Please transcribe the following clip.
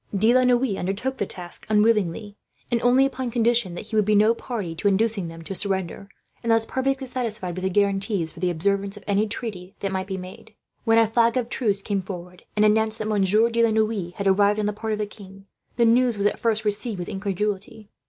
De la Noue undertook the task unwillingly, and only upon condition that he would be no party to inducing them to surrender, unless perfectly satisfied with the guarantees for the observance of any treaty that might be made. When a flag of truce came forward, and announced that Monsieur de la Noue had arrived on the part of the king, the news was at first received with incredulity.